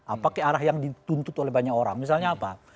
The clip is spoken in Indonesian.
apakah arah yang dituntut oleh banyak orang misalnya apa